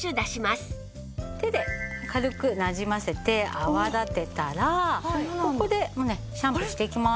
手で軽くなじませて泡立てたらここでシャンプーしていきます。